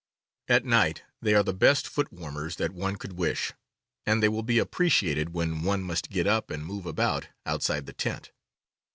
At night they are the best foot warmers that one could wish, and they will be appreciated when one must get up and move about outside the tent.